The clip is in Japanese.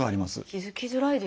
気付きづらいでしょうね